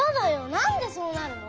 なんでそうなるの？